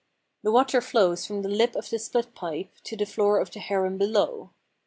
The water flows from the lip of the split pipe to the floor of the harem below.